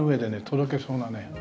とろけそうなね。